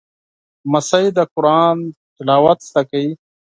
لمسی د قرآن تلاوت زده کوي.